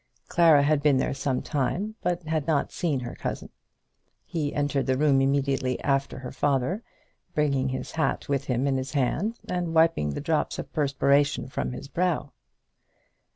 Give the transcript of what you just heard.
Clara had been there some time, but had not seen her cousin. He entered the room immediately after her father, bringing his hat with him in his hand, and wiping the drops of perspiration from his brow.